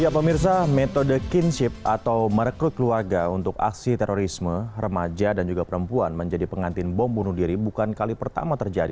pemirsa metode kinship atau merekrut keluarga untuk aksi terorisme remaja dan juga perempuan menjadi pengantin bom bunuh diri bukan kali pertama terjadi